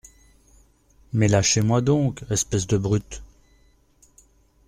Mais lâchez-moi donc… espèces de brutes !